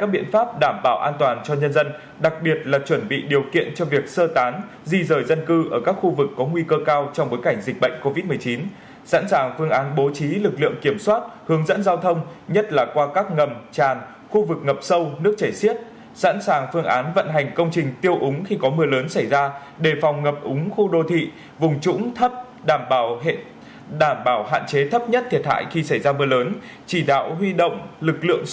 các biện pháp đảm bảo an toàn cho nhân dân đặc biệt là chuẩn bị điều kiện cho việc sơ tán di rời dân cư ở các khu vực có nguy cơ cao trong bối cảnh dịch bệnh covid một mươi chín sẵn sàng phương án bố trí lực lượng kiểm soát hướng dẫn giao thông nhất là qua các ngầm tràn khu vực ngập sâu nước chảy xiết sẵn sàng phương án vận hành công trình tiêu úng khi có mưa lớn xảy ra đề phòng ngập úng khu đô thị vùng trũng thấp đảm bảo hạn chế thấp nhất thiệt hại khi xảy ra mưa lớn chỉ đạo huy động lực lượng